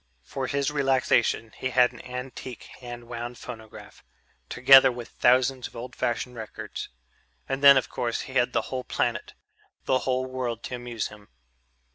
For his relaxation he had an antique hand wound phonograph, together with thousands of old fashioned records. And then, of course, he had the whole planet, the whole world to amuse him.